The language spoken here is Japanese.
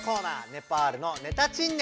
ネパールのネタチンネ！